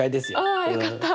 あよかった！